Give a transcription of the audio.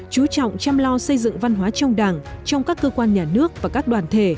chú trọng chăm lo xây dựng văn hóa trong đảng trong các cơ quan nhà nước và các đoàn thể